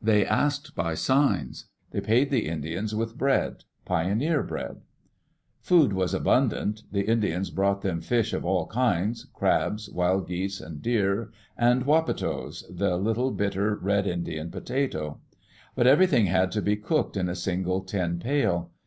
They asked by signs. [They paid the Indians with bread — pioneer bread. Food was abundant. The Indians brought them fish of all kinds, crabs, wild geese and deer, and wapetoes — the Digitized by CjOOQ IC EARLY DAYS IN OLD OREGON little, bitter, red Indian potato. But everything had to be cooked in a single tin pail.